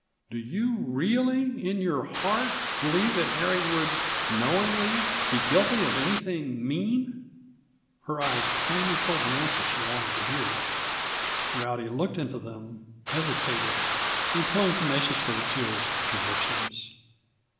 "Do you really, in your heart, believe that Harry would knowingly be guilty of anything mean?" Her eyes plainly told the answer she wanted to hear. Rowdy looked into them, hesitated, and clung tenaciously to his convictions.